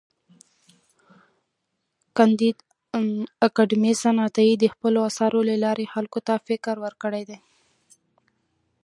کانديد اکاډميسن عطايي د خپلو اثارو له لارې خلکو ته فکر ورکړی دی.